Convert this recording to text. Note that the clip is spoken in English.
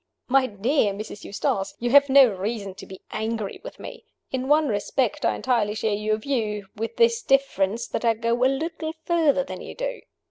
"My dear Mrs. Eustace, you have no reason to be angry with me. In one respect, I entirely share your view with this difference, that I go a little further than you do."